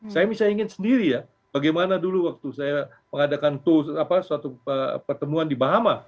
saya ingin sendiri ya bagaimana dulu waktu saya mengadakan suatu pertemuan di bahama